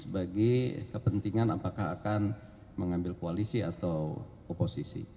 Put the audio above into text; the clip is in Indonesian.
bagi kepentingan apakah akan mengambil koalisi atau oposisi